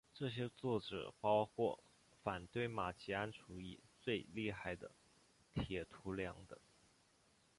这些作者包括反对马吉安主义最厉害的铁徒良等。